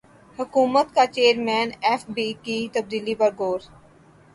حکومت کا chairman F B کی تبدیلی پر غور